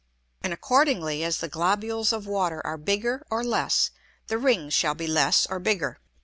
And accordingly as the Globules of Water are bigger or less, the Rings shall be less or bigger.